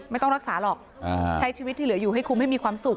ไม่ต้องรักษาหรอกใช้ชีวิตที่เหลืออยู่ให้คุ้มให้มีความสุข